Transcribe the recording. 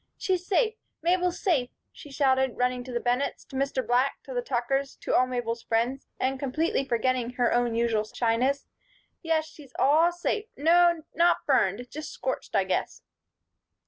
"She's safe, Mabel's safe," she shouted, running to the Bennetts, to Mr. Black, to the Tuckers, to all Mabel's friends, and completely forgetting her own usual shyness. "Yes, she's all safe. No, not burned; just scorched, I guess."